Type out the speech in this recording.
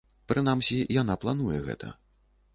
Прынамсі, яна плануе гэта.